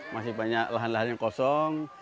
masih banyak lahan lahannya kosong